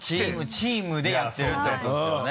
チームでやってるってことですよね。